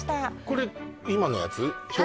これ今のやつ？